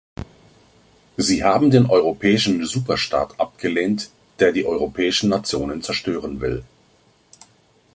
Sie haben den europäischen Superstaat abgelehnt, der die europäischen Nationen zerstören will.